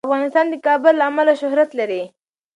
افغانستان د کابل له امله شهرت لري.